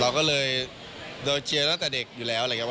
เราก็เลยโดนเชียร์ตั้งแต่เด็กอยู่แล้วอะไรอย่างนี้